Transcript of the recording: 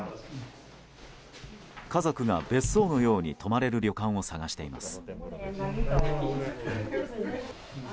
家族が別荘のように泊まれる旅館を探しています。